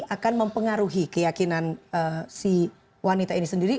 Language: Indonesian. akan mempengaruhi keyakinan si wanita ini sendiri